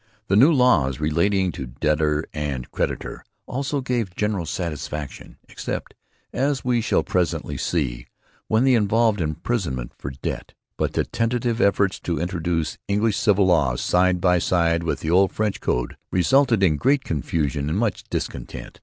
The new laws relating to debtor and creditor also gave general satisfaction, except, as we shall presently see, when they involved imprisonment for debt. But the tentative efforts to introduce English civil law side by side with the old French code resulted in great confusion and much discontent.